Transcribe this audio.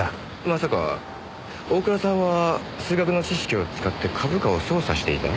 まさか大倉さんは数学の知識を使って株価を操作していた。